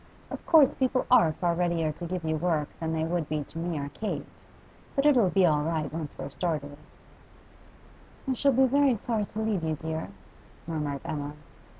'Of course, people are far readier to give you work than they would be to me or Kate. But it'll be all right when we're once started.' 'I shall be very sorry to leave you, dear,' murmured Emma.